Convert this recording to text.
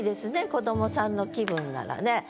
子どもさんの気分ならね。